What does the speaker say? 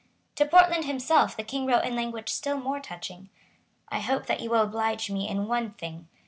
To Portland himself the King wrote in language still more touching. "I hope that you will oblige me in one thing.